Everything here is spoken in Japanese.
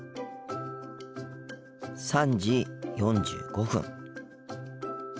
３時４５分。